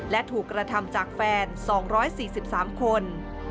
และถูกกระทำจากแฟน๒๔๓คน